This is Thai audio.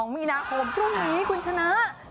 มีนาคมพรุ่งนี้คุณชนะ